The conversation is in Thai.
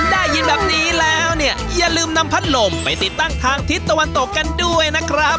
ได้ยินแบบนี้แล้วเนี่ยอย่าลืมนำพัดลมไปติดตั้งทางทิศตะวันตกกันด้วยนะครับ